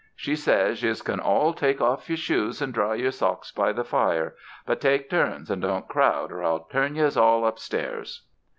She says yez can all take off your shoes and dry your socks by the fire. But take turns and don't crowd or I'll turn yez all upstairs."